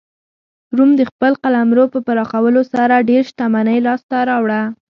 روم د خپل قلمرو په پراخولو سره ډېره شتمنۍ لاسته راوړه.